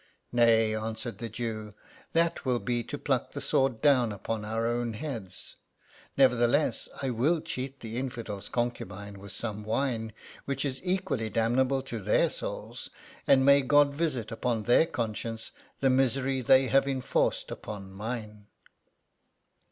"Nay,'' answered the Jew, "that will be to pluck the sword down upon our own heads; nevertheless, I will cheat the infidel's concubine with some wine, which is equally damnable to their souls ; and may God visit upon their conscience the misery they have enforced upon mine